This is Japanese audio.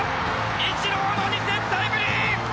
イチローの２点タイムリー！